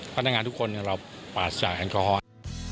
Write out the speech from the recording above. พนักงานทุกคนเราปาดใส่แอลกอฮอล์